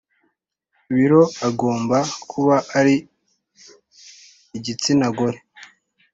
Biro agomba kuba ari igitsina gore